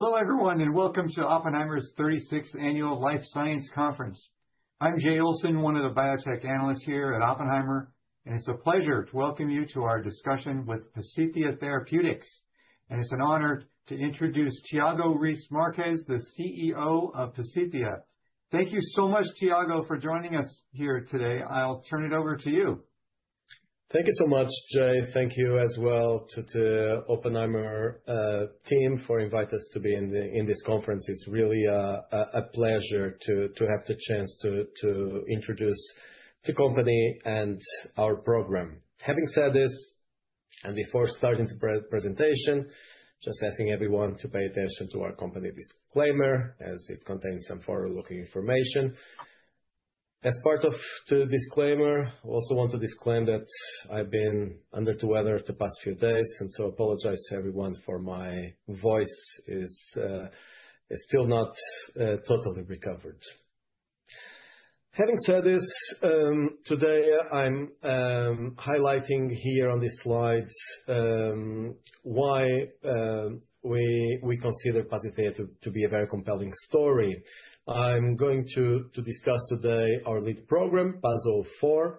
Hello, everyone, and welcome to Oppenheimer's 36th Annual Life Science Conference. I'm Jay Olson, one of the biotech analysts here at Oppenheimer, and it's a pleasure to welcome you to our discussion with Pasithea Therapeutics. It's an honor to introduce Tiago Reis Marques, the CEO of Pasithea. Thank you so much, Tiago, for joining us here today. I'll turn it over to you. Thank you so much, Jay. Thank you as well to the Oppenheimer team for invite us to be in this conference. It's really a pleasure to have the chance to introduce the company and our program. Having said this, and before starting the presentation, just asking everyone to pay attention to our company disclaimer as it contains some forward-looking information. As part of the disclaimer, also want to disclaim that I've been under the weather the past few days, apologize to everyone for my voice is still not totally recovered. Having said this, today I'm highlighting here on these slides why we consider Pasithea to be a very compelling story. I'm going to discuss today our lead program, PAZ004,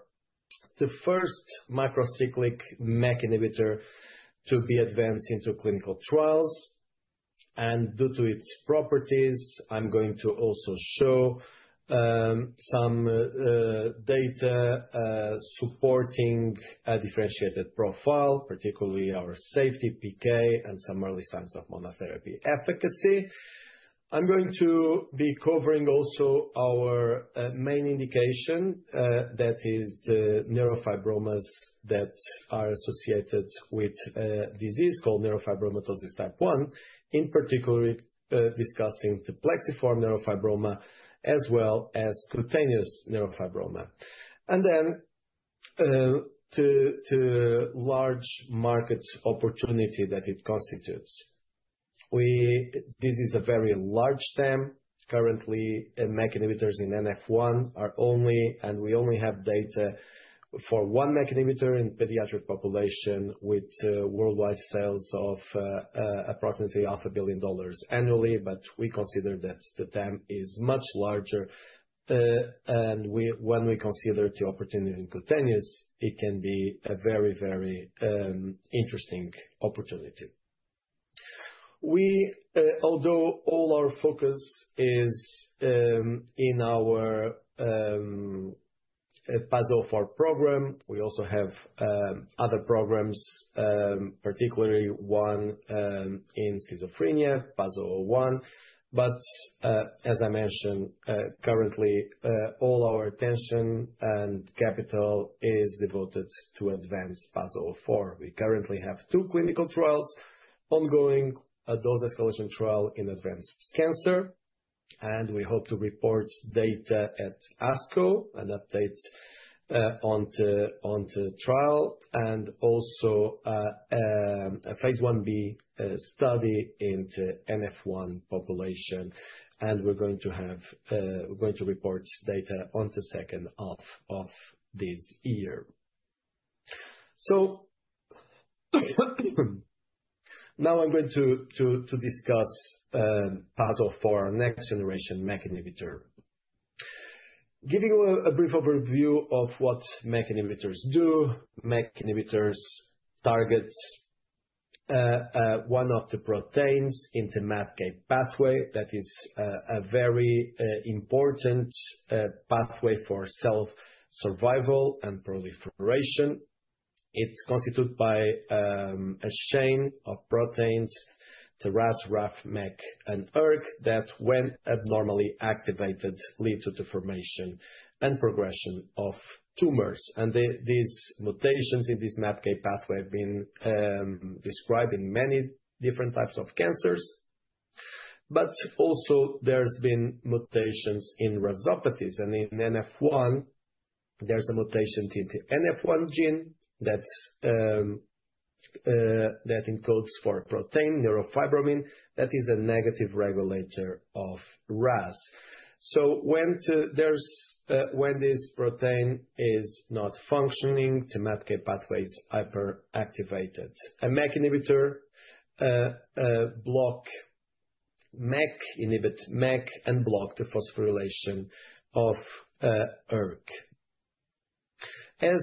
the first macrocyclic MEK inhibitor to be advanced into clinical trials. Due to its properties, I'm going to also show some data supporting a differentiated profile, particularly our safety PK and some early signs of monotherapy efficacy. I'm going to be covering also our main indication, that is the neurofibromas that are associated with a disease called neurofibromatosis type 1, in particular, discussing the plexiform neurofibroma as well as cutaneous neurofibroma. The large market opportunity that it constitutes. This is a very large TAM. Currently, MEK inhibitors in NF1 are only, and we only have data for one MEK inhibitor in pediatric population with worldwide sales of approximately half a billion dollars annually, we consider that the TAM is much larger. When we consider the opportunity in cutaneous, it can be a very interesting opportunity. Although all our focus is in our, PAZ004 program, we also have other programs, particularly one in schizophrenia, PAZ001. As I mentioned, currently, all our attention and capital is devoted to advance PAZ004. We currently have two clinical trials ongoing, a dose-escalation trial in advanced cancer, and we hope to report data at ASCO, an update on the trial, and also a phase I-B study in the NF1 population, and we're going to report data on the second half of this year. Now I'm going to discuss PAZ004, next generation MEK inhibitor. Giving a brief overview of what MEK inhibitors do. MEK inhibitors targets one of the proteins in the MAPK pathway. That is a very important pathway for cell-survival and proliferation. It's constituted by a chain of proteins, the RAS, RAF, MEK, and ERK, that when abnormally activated, lead to the formation and progression of tumors. These mutations in this MAPK pathway have been described in many different types of cancers. Also there's been mutations in RASopathies. In NF1, there's a mutation in the NF1 gene that encodes for a protein, neurofibromin, that is a negative regulator of RAS. When this protein is not functioning, the MAPK pathway is hyperactivated. A MEK inhibitor block MEK, inhibit MEK and block the phosphorylation of ERK. As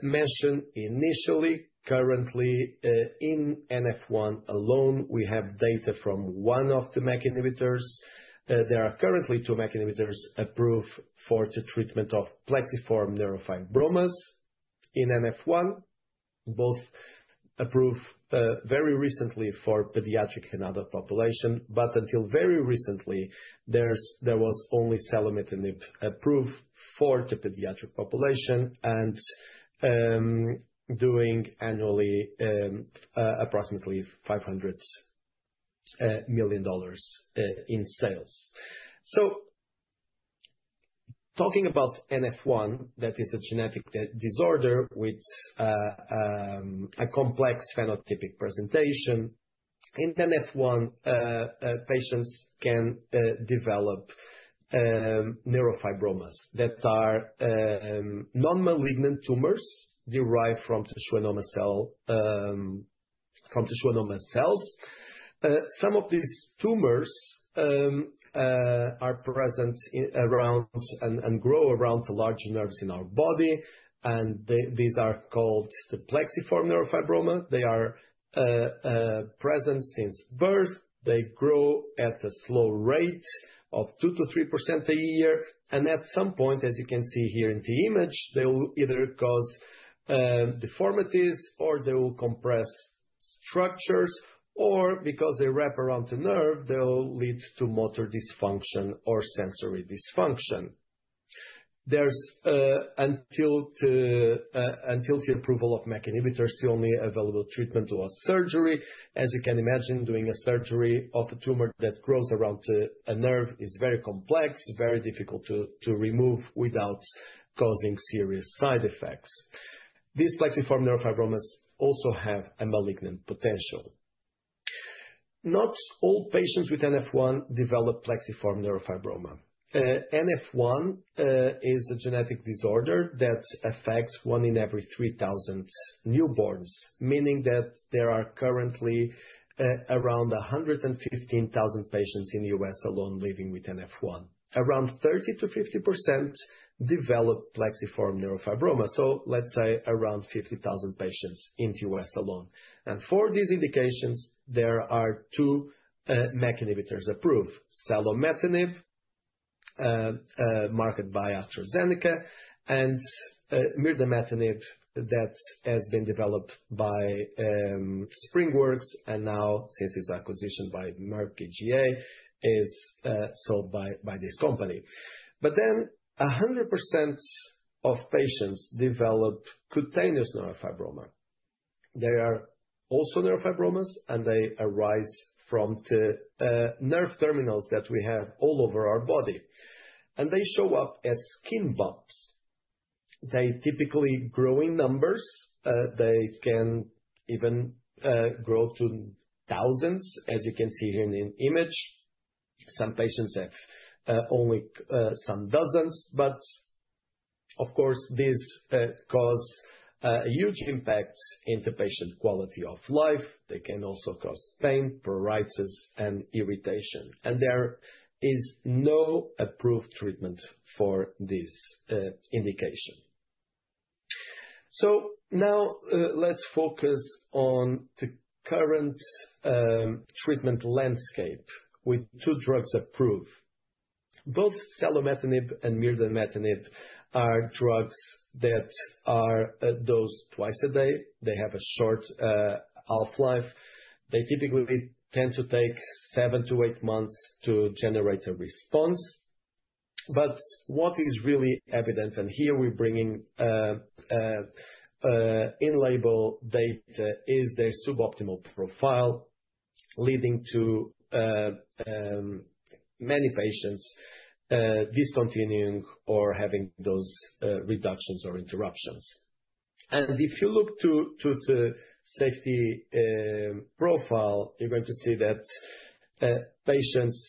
mentioned initially, currently in NF1 alone, we have data from one of the MEK inhibitors. There are currently two MEK inhibitors approved for the treatment of plexiform neurofibromas in NF1, both approved very recently for pediatric and adult population. Until very recently, there was only selumetinib approved for the pediatric population and doing annually approximately $500 million in sales. Talking about NF1, that is a genetic disorder with a complex phenotypic presentation. In NF1, patients can develop neurofibromas that are non-malignant tumors derived from the Schwann cells. Some of these tumors are present around and grow around the large nerves in our body, these are called the plexiform neurofibroma. They are present since birth. They grow at a slow rate of 2%-3% a year, at some point, as you can see here in the image, they will either cause deformities, or they will compress structures, or because they wrap around the nerve, they'll lead to motor dysfunction or sensory dysfunction. Until the approval of MEK inhibitors, the only available treatment was surgery. As you can imagine, doing a surgery of a tumor that grows around a nerve is very complex, very difficult to remove without causing serious side effects. These plexiform neurofibromas also have a malignant potential. Not all patients with NF1 develop plexiform neurofibroma. NF1 is a genetic disorder that affects one in every 3,000 newborns, meaning that there are currently around 115,000 patients in the U.S. alone living with NF1. Around 30%-50% develop plexiform neurofibroma. Let's say around 50,000 patients in the U.S. alone. For these indications, there are two MEK inhibitors approved: selumetinib, marketed by AstraZeneca, and mirdametinib that has been developed by SpringWorks, now, since its acquisition by Merck KGaA, is sold by this company. 100% of patients develop cutaneous neurofibroma. They are also neurofibromas, they arise from the nerve terminals that we have all over our body, they show up as skin bumps. They typically grow in numbers. They can even grow to thousands, as you can see here in the image. Some patients have only some dozens, of course, these cause a huge impact in the patient quality of life. They can also cause pain, pruritus, and irritation. There is no approved treatment for this indication. Let's focus on the current treatment landscape with two drugs approved. Both selumetinib and mirdametinib are drugs that are dosed twice a day. They have a short half-life. They typically tend to take seven to eight months to generate a response. What is really evident, and here we bring in in-label data, is their suboptimal profile, leading to many patients discontinuing or having dose reductions or interruptions. If you look to the safety profile, you're going to see that patients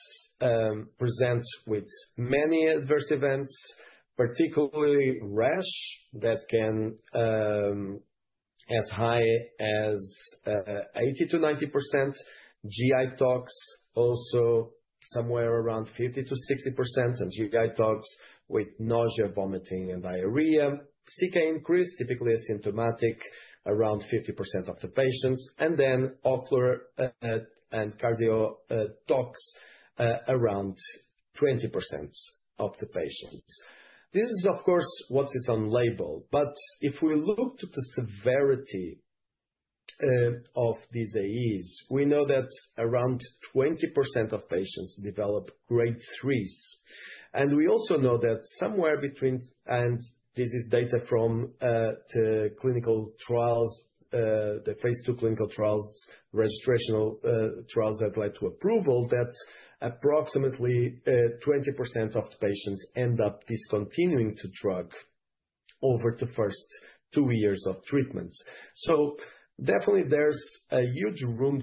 present with many adverse events, particularly rash, that can as high as 80%-90%. GI tox, also somewhere around 50%-60%, GI tox with nausea, vomiting, and diarrhea. CK increase, typically asymptomatic, around 50% of the patients. Ocular and cardio tox, around 20% of the patients. This is, of course, what is on label. If we look to the severity of these AEs, we know that around 20% of patients develop grade 3s. We also know that somewhere between, and this is data from the clinical trials, the phase II clinical trials, registrational trials that led to approval, that approximately 20% of the patients end up discontinuing the drug over the first two years of treatments. Definitely there's a huge room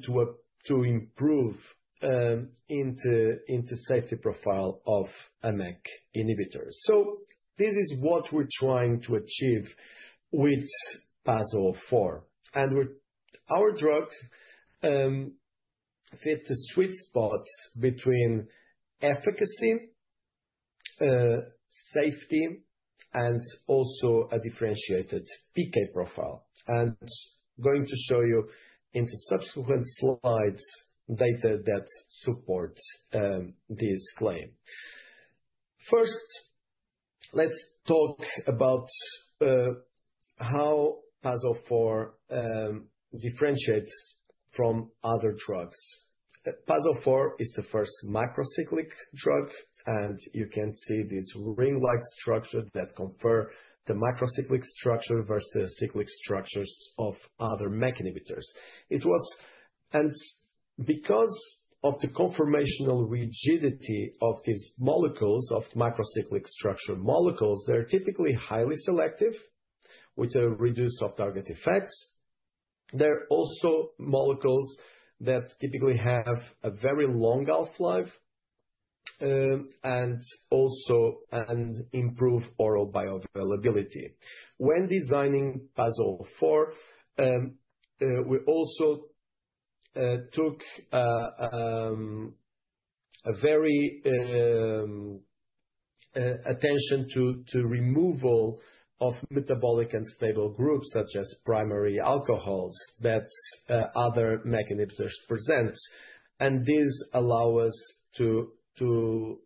to improve in the safety profile of a MEK inhibitor. This is what we're trying to achieve with PAS-004. Our drug fit the sweet spot between efficacy, safety, and also a differentiated PK profile. I'm going to show you in the subsequent slides data that supports this claim. First, let's talk about how PAS-004 differentiates from other drugs. PAS-004 is the first macrocyclic drug, you can see this ring-like structure that confirm the macrocyclic structure versus cyclic structures of other MEK inhibitors. Because of the conformational rigidity of these molecules, of macrocyclic structure molecules, they're typically highly selective with a reduced off-target effects. They're also molecules that typically have a very long half-life. Also improve oral bioavailability. When designing PAS-004, we also took a very attention to removal of metabolic unstable groups such as primary alcohols that other MEK inhibitors present. This allow us to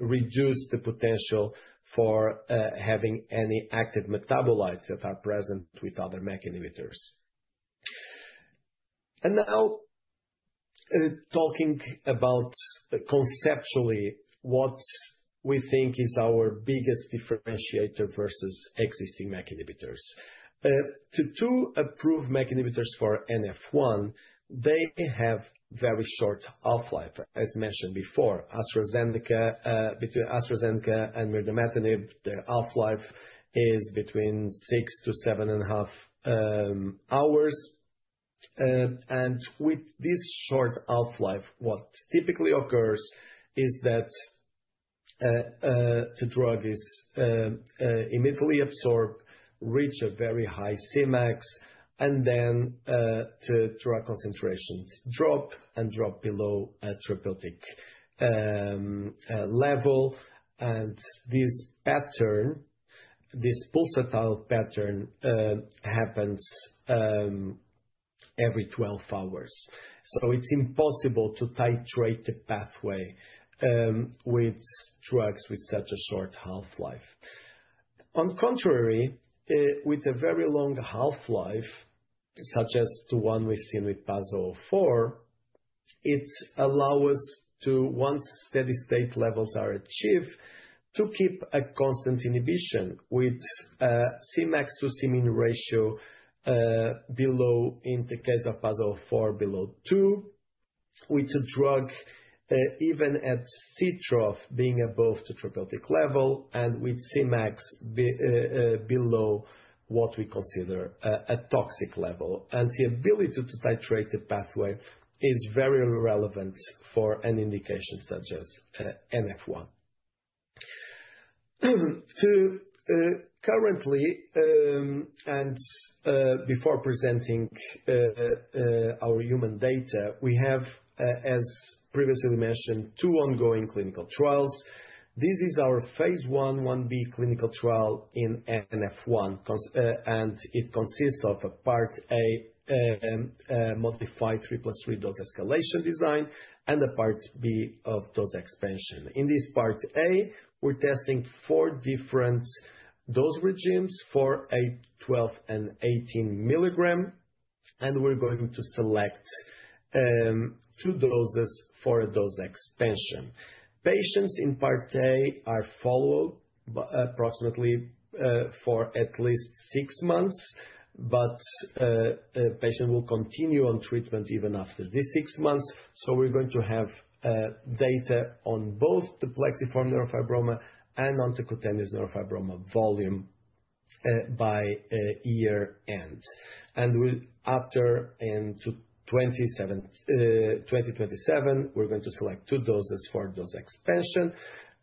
reduce the potential for having any active metabolites that are present with other MEK inhibitors. Now, talking about conceptually what we think is our biggest differentiator versus existing MEK inhibitors. The two approved MEK inhibitors for NF1, they have very short half-life. As mentioned before, between AstraZeneca and mirdametinib, their half-life is between six to seven and a half hours. With this short half-life, what typically occurs is that the drug is immediately absorbed, reach a very high Cmax, then the drug concentrations drop and drop below a therapeutic level. This pulsatile pattern happens every 12 hours. It's impossible to titrate the pathway with drugs with such a short half-life. On contrary, with a very long half-life, such as the one we've seen with PAS-004, it allow us to, once steady state levels are achieved, to keep a constant inhibition with, Cmax to Cmin ratio below, in the case of PAS-004, below two, with a drug even at C-trough being above the therapeutic level and with Cmax below what we consider a toxic level. The ability to titrate the pathway is very relevant for an indication such as NF1. Currently, before presenting our human data, we have as previously mentioned, two ongoing clinical trials. This is our phase I/IB clinical trial in NF1, it consists of a part A, modified 3+3 dose escalation design and a part B of dose expansion. In this part A, we're testing four different dose regimes for eight, 12, and 18 milligrams, we're going to select two doses for a dose expansion. Patients in part A are followed approximately for at least six months, but a patient will continue on treatment even after this six months, so we're going to have data on both the plexiform neurofibroma and on the cutaneous neurofibroma volume by year-end. After in 2027, we're going to select two doses for a dose expansion,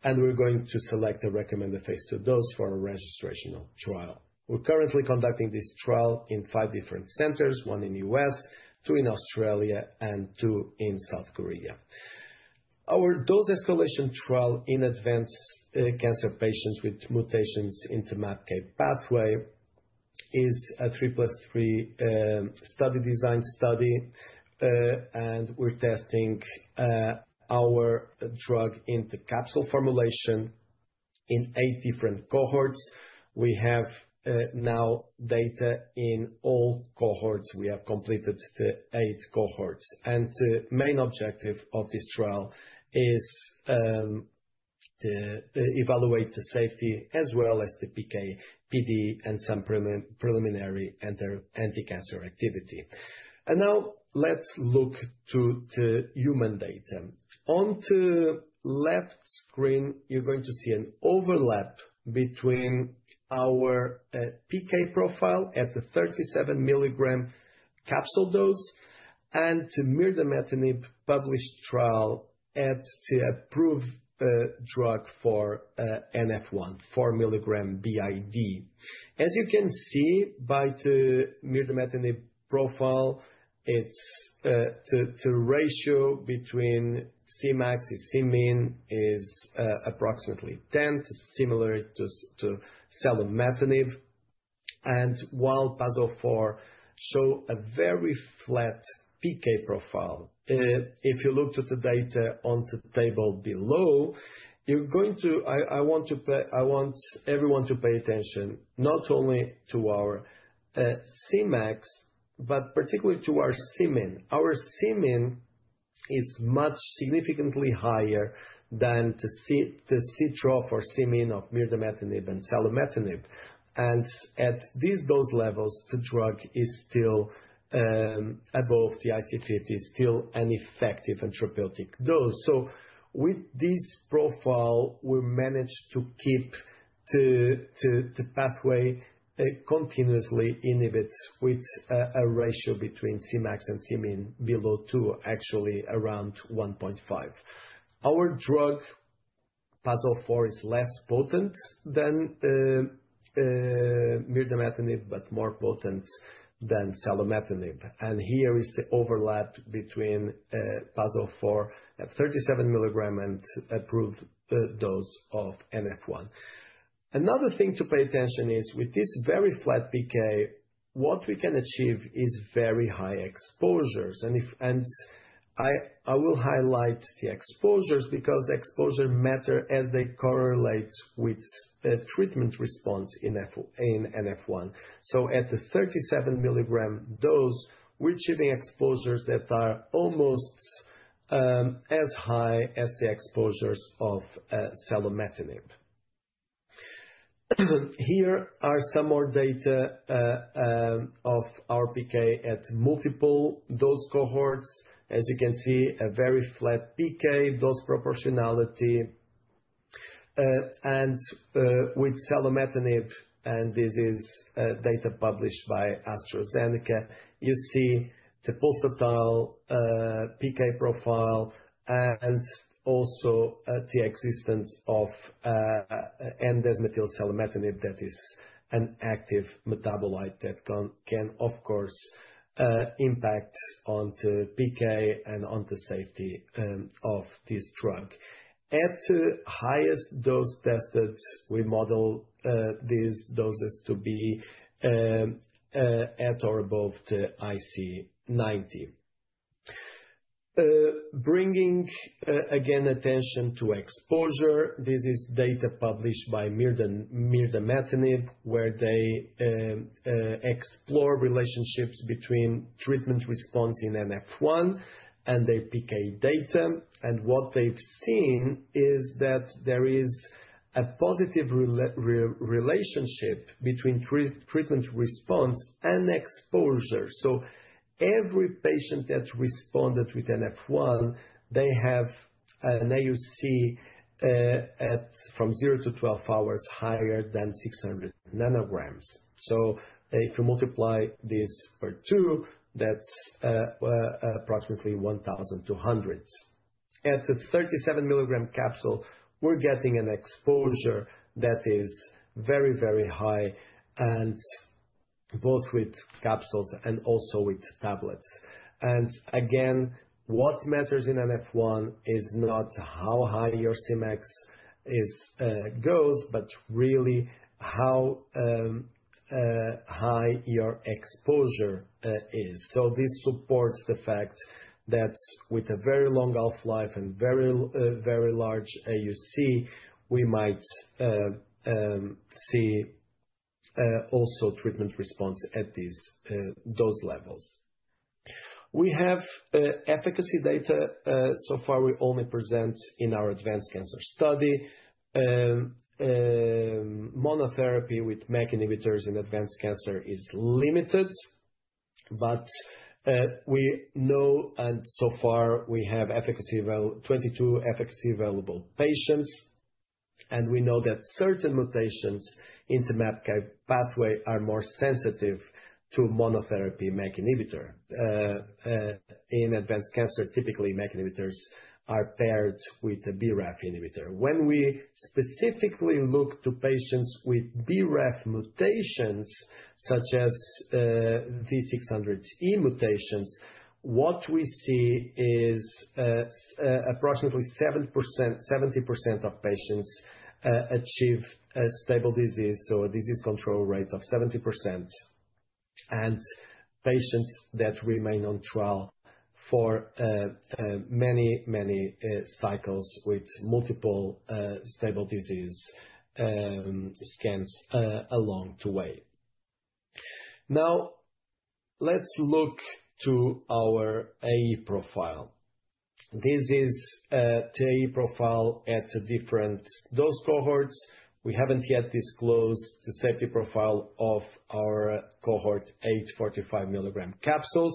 and we're going to select the recommended phase II dose for a registrational trial. We're currently conducting this trial in five different centers, one in U.S., two in Australia, and two in South Korea. Our dose escalation trial in advanced cancer patients with mutations in the MAPK pathway is a 3+3 study design, and we're testing our drug in the capsule formulation in 8 different cohorts. We have now data in all cohorts. We have completed the 8 cohorts. The main objective of this trial is to evaluate the safety as well as the PK/PD and some preliminary anti-cancer activity. Now let's look to the human data. On the left screen, you're going to see an overlap between our PK profile at the 37 mg capsule dose and the mirdametinib published trial at the approved drug for NF1, 4 mg BID. As you can see by the mirdametinib profile, the ratio between Cmax to Cmin is approximately 10, similar to selumetinib. While PAS-004 show a very flat PK profile, if you look to the data on the table below, I want everyone to pay attention not only to our Cmax, but particularly to our Cmin. Our Cmin is much significantly higher than the C-trough or Cmin of mirdametinib and selumetinib. At these dose levels, the drug is still above the IC50, still an effective and therapeutic dose. With this profile, we managed to keepTo pathway that continuously inhibits with a ratio between Cmax and Cmin below 2, actually around 1.5. Our drug PAS-004 is less potent than mirdametinib, but more potent than selumetinib. Here is the overlap between PAS-004 at 37 mg and approved dose of NF1. Another thing to pay attention is with this very flat PK, what we can achieve is very high exposures. I will highlight the exposures because exposure matter as they correlate with treatment response in NF1. At the 37 mg dose, we're achieving exposures that are almost as high as the exposures of selumetinib. Here are some more data of our PK at multiple dose cohorts. As you can see, a very flat PK dose proportionality. With selumetinib, and this is data published by AstraZeneca, you see the pulsatile PK profile and also the existence of N-desmethylselumetinib that is an active metabolite that can, of course, impact on the PK and on the safety of this drug. At the highest dose tested, we model these doses to be at or above the IC90. We are bringing again attention to exposure. This is data published by mirdametinib, where they explore relationships between treatment response in NF1 and their PK data. What they've seen is that there is a positive relationship between treatment response and exposure. Every patient that responded with NF1, they have an AUC at from 0 to 12 hours higher than 600 ng. If you multiply this by two, that's approximately 1,200. At the 37 mg capsule, we're getting an exposure that is very high and both with capsules and also with tablets. Again, what matters in NF1 is not how high your Cmax goes, but really how high your exposure is. This supports the fact that with a very long half-life and very large AUC, we might see also treatment response at these dose levels. We have efficacy data. Far we only present in our advanced cancer study. Monotherapy with MEK inhibitors in advanced cancer is limited, but we know and so far we have 22 efficacy available patients. We know that certain mutations in the MAPK pathway are more sensitive to monotherapy MEK inhibitor. In advanced cancer, typically, MEK inhibitors are paired with a BRAF inhibitor. When we specifically look to patients with BRAF mutations such as V600E mutations, what we see is approximately 70% of patients achieve a stable disease. A disease control rate of 70%. Patients that remain on trial for many cycles with multiple stable disease scans along the way. Let's look to our AE profile. This is the AE profile at different dose cohorts. We haven't yet disclosed the safety profile of our cohort 8 45 milligram capsules.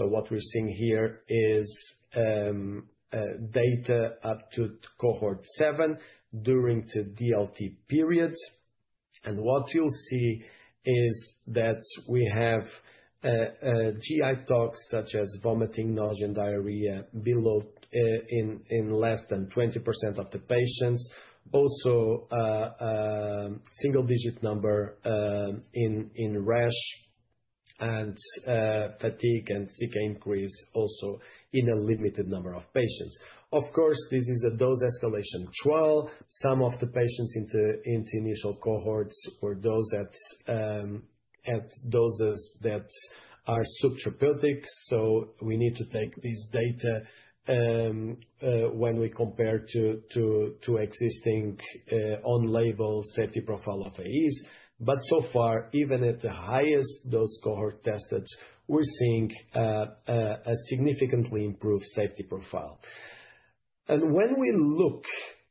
What we're seeing here is data up to cohort 7 during the DLT periods. What you'll see is that we have GI tox such as vomiting, nausea, and diarrhea in less than 20% of the patients. Also, single-digit number in rash and fatigue and CK increase also in a limited number of patients. Of course, this is a dose-escalation trial. Some of the patients into initial cohorts were dosed at doses that are subtherapeutic, so we need to take this data when we compare to existing on-label safety profile of AEs. Far, even at the highest dose cohort tested, we're seeing a significantly improved safety profile. When we look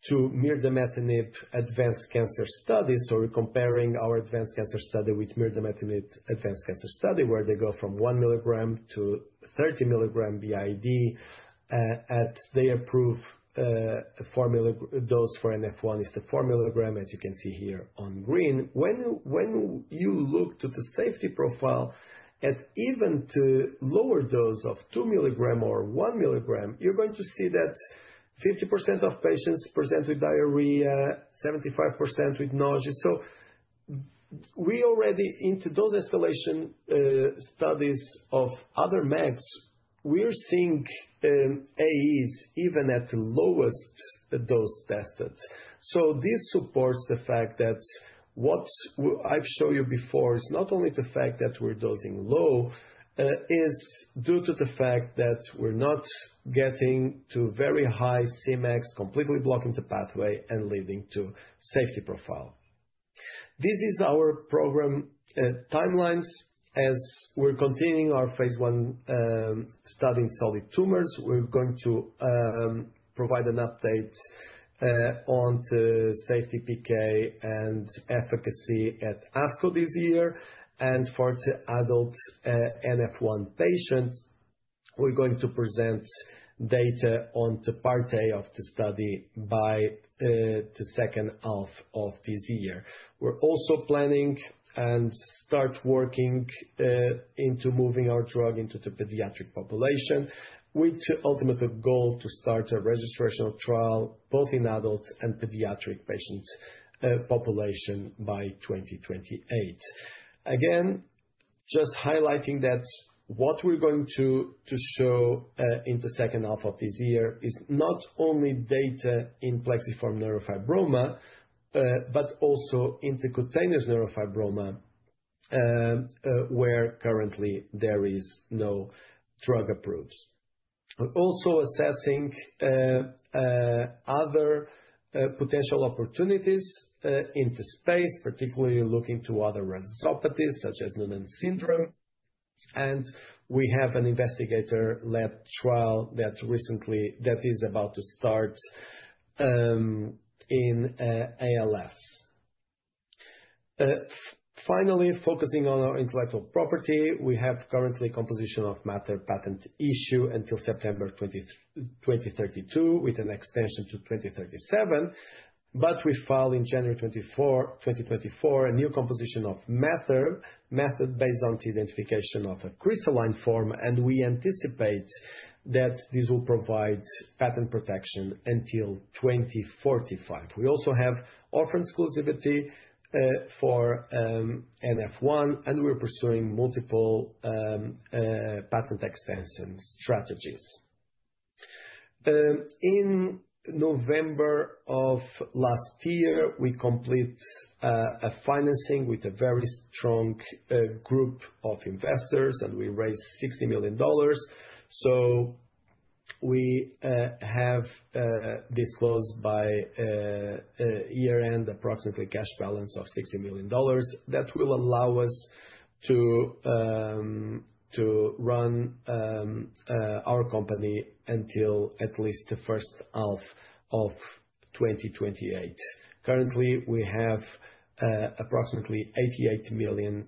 to mirdametinib advanced cancer studies, we're comparing our advanced cancer study with mirdametinib advanced cancer study, where they go from one milligram to 30 milligram BID at their approved dose for NF1 is the four milligram, as you can see here on green. When you look to the safety profile at even the lower dose of two milligram or one milligram, you're going to see that 50% of patients present with diarrhea, 75% with nausea. We already into those dose-escalation studies of other meds, we are seeing AEs even at the lowest dose tested. This supports the fact that what I've shown you before is not only the fact that we're dosing low, is due to the fact that we're not getting to very high Cmax, completely blocking the pathway and leading to safety profile. This is our program timelines. As we're continuing our phase I study in solid tumors, we're going to provide an update on the safety PK and efficacy at ASCO this year. For the adult NF1 patients, we're going to present data on the Part A of the study by the second half of this year. We're also planning and start working into moving our drug into the pediatric population, with the ultimate goal to start a registrational trial, both in adult and pediatric patient population by 2028. Just highlighting that what we're going to show in the second half of this year is not only data in plexiform neurofibroma, but also in the cutaneous neurofibroma, where currently there is no drug approved. We're also assessing other potential opportunities in the space, particularly looking to other RASopathies such as Noonan syndrome, and we have an investigator-led trial that is about to start in ALS. Finally, focusing on our intellectual property. We have currently composition of matter patent issue until September 2032 with an extension to 2037. We file in January 2024, a new composition of matter based on the identification of a crystalline form, and we anticipate that this will provide patent protection until 2045. We also have Orphan exclusivity for NF1 and we're pursuing multiple patent extension strategies. In November of last year, we complete a financing with a very strong group of investors. We raised $60 million. We have disclosed by year-end approximately cash balance of $60 million. That will allow us to run our company until at least the first half of 2028. Currently, we have approximately 88 million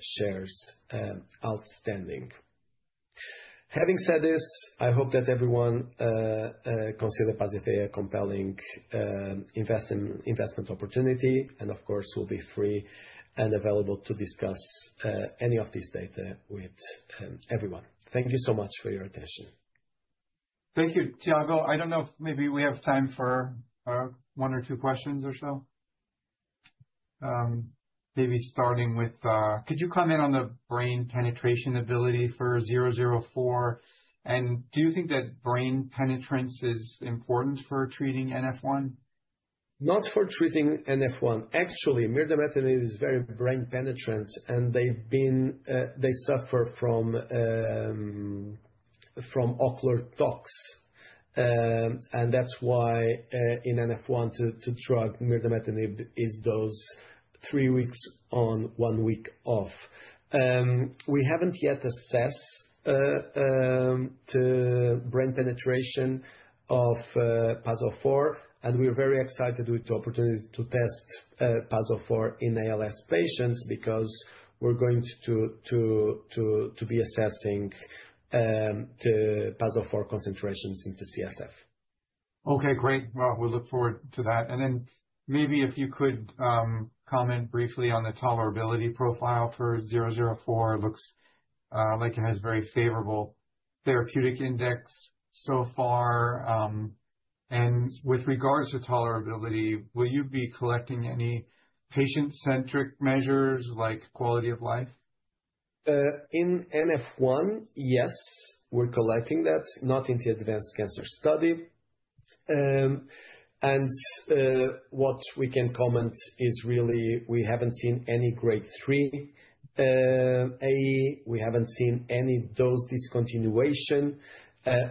shares outstanding. Having said this, I hope that everyone consider Pasithea a compelling investment opportunity. Of course, we'll be free and available to discuss any of this data with everyone. Thank you so much for your attention. Thank you, Tiago. I don't know if maybe we have time for one or two questions or so. Maybe starting with, could you comment on the brain penetration ability for 004? Do you think that brain penetrance is important for treating NF1? Not for treating NF1. Actually, mirdametinib is very brain penetrant. They suffer from ocular toxicity. That's why in NF1, the drug mirdametinib is dosed three weeks on, one week off. We haven't yet assessed the brain penetration of PAS-004. We are very excited with the opportunity to test PAS-004 in ALS patients because we're going to be assessing the PAS-004 concentrations into CSF. Okay, great. Well, we look forward to that. Maybe if you could comment briefly on the tolerability profile for 004. Looks like it has very favorable therapeutic index so far. With regards to tolerability, will you be collecting any patient-centric measures like quality of life? In NF1, yes. We're collecting that. Not in the advanced cancer study. What we can comment is really we haven't seen any grade 3 AE. We haven't seen any dose discontinuation.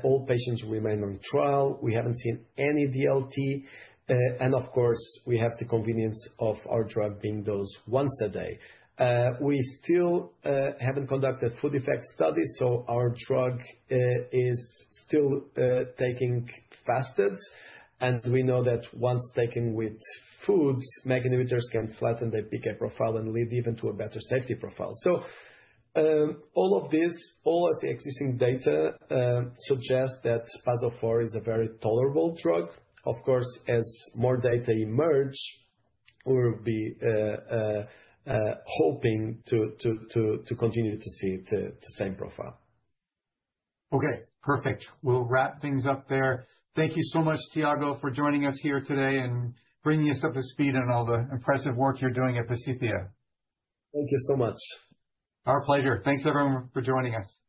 All patients remain on trial. We haven't seen any DLT. Of course, we have the convenience of our drug being dosed once a day. We still haven't conducted food effect studies, so our drug is still taken fasted. We know that once taken with foods, MEK inhibitors can flatten the PK profile and lead even to a better safety profile. All of this, all of the existing data suggests that PAS-004 is a very tolerable drug. Of course, as more data emerge, we'll be hoping to continue to see the same profile. Okay, perfect. We'll wrap things up there. Thank you so much, Tiago, for joining us here today and bringing us up to speed on all the impressive work you're doing at Pasithea. Thank you so much. Our pleasure. Thanks everyone for joining us.